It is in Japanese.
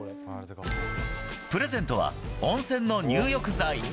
プレゼントは、温泉の入浴剤。